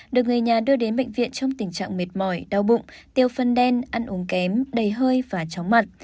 được người nhà đưa đến bệnh viện trong tình trạng mệt mỏi đau bụng tiêu phân đen ăn uống kém đầy hơi và chóng mặt